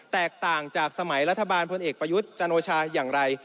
แตกต่างจากสมัยรัฐบาลพลเอกประยุทธ์จันโอชาอย่างไร